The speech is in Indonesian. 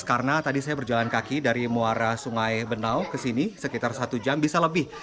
karena tadi saya berjalan kaki dari muara sungai benau ke sini sekitar satu jam bisa lebih